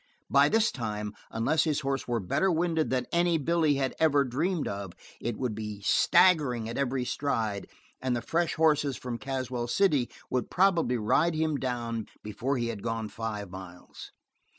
By this time, unless his horse were better winded than any that Billy had ever dreamed of, it would be staggering at every stride, and the fresh horses from Caswell City would probably ride him down before he had gone five miles.